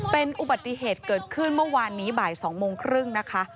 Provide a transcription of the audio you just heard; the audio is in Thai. เป็นอุบัติเหตุเกิดขึ้นเมื่อวานนี้บ่าย๒โมงครึ่งนะคะ